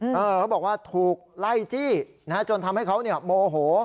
เขาบอกว่าถูกไล่จี้นะฮะจนทำให้เขาโมโห